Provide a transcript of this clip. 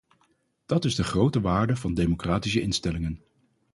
Dat is de grote waarde van democratische instellingen.